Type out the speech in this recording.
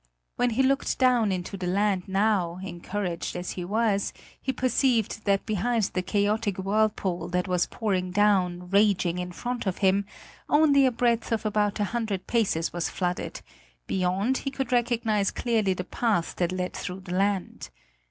When he looked down into the land now, encouraged as he was, he perceived that behind the chaotic whirlpool that was pouring down, raging in front of him, only a breadth of about a hundred paces was flooded; beyond he could recognise clearly the path that led through the land.